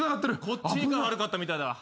こっちが悪かったみたいだわ。